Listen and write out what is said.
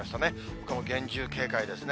ほかも厳重警戒ですね。